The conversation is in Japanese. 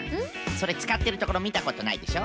それつかってるところみたことないでしょ？